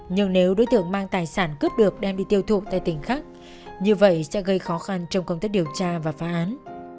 nhưng nếu đối tượng mang tài sản cướp được đem đi tiêu thụ tại tỉnh khác như vậy sẽ gây khó khăn trong công tác điều tra và phá án